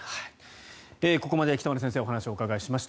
ここまで北村先生にお話を伺いました。